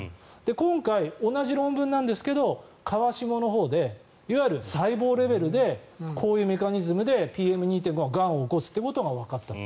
今回、同じ論文なんですけど川下のほうでいわゆる細胞レベルでこういうメカニズムでＰＭ２．５はがんを起こすっていうことがわかったと。